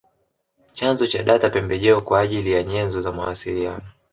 Chanzo cha data pembejeo kwa ajili ya nyenzo na mawasiliano